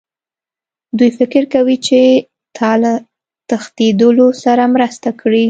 دوی فکر کوي چې تا له تښتېدلو سره مرسته کړې